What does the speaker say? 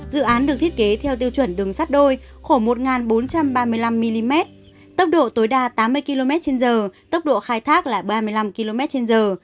dự án được thiết kế theo tiêu chuẩn đường sắt đôi khổ một nghìn bốn trăm ba mươi năm mm tốc độ tối đa tám mươi kmh tốc độ khai thác là ba mươi năm kmh